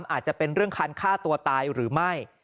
อาจจะเป็นเรื่องคันฆ่าตัวตายหรือไม่